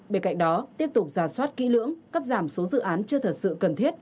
bên cạnh đó tiếp tục giả soát kỹ lưỡng cắt giảm số dự án chưa thật sự cần thiết